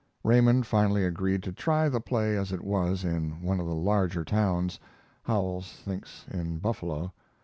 Raymond finally agreed to try the play as it was in one of the larger towns Howells thinks in Buffalo.